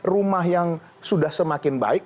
rumah yang sudah semakin baik